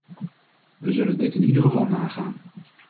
Wij zullen dit in ieder geval nagaan.